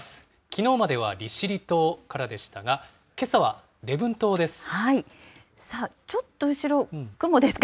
きのうまでは利尻島からでしたが、けさは礼文島です。